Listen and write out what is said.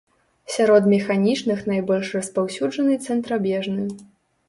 Сярод механічных найбольш распаўсюджаны цэнтрабежны.